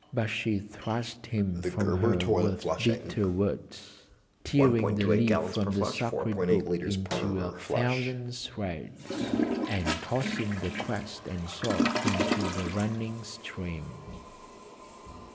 But she thrust him from her with bitter words, tearing the leaf from the sacred Book into a thousand shreds, and tossing the crest and sword into the running stream.